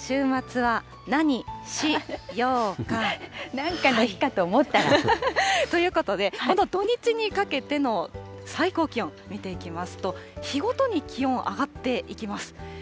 週末は、何しようか。ということで、この土日にかけての最高気温、見ていきますと、日ごとに気温、上がっていきます。